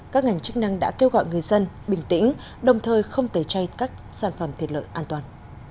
các ngành chức năng đã kêu gọi người dân bình tĩnh đồng thời không tẩy chay các sản phẩm thịt lợn an toàn